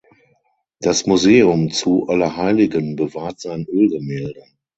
Das Museum zu Allerheiligen bewahrt sein Ölgemälde.